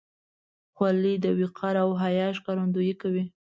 خولۍ د وقار او حیا ښکارندویي کوي.